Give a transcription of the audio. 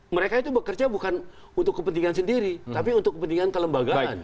mereka itu bekerja bukan untuk kepentingan sendiri tapi untuk kepentingan kelembagaan